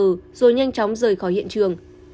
rồi nhanh chóng rời khỏi hiện trường